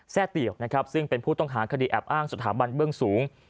เตี่ยวนะครับซึ่งเป็นผู้ต้องหาคดีแอบอ้างสถาบันเบื้องสูง